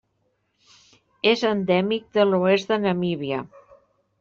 És endèmic de l'oest de Namíbia.